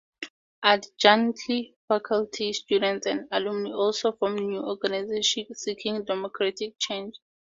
Adjunct faculty, students and alumni also formed new organizations seeking democratic change.